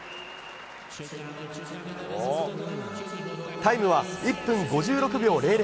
タイムは１分５６秒００。